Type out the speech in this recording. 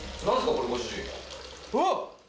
これご主人うわ！